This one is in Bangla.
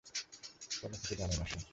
কোন কিছু জানে না সে।